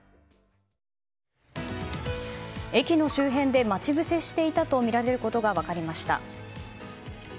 駅の周辺で待ち伏せしていたとみられることが分かりました。